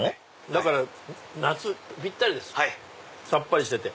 だから夏ぴったりですさっぱりしてて。